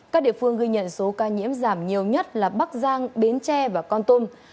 các địa phương ghi nhận số ca nhiễm giảm nhiều nhất là bắc giang bến tre và con tum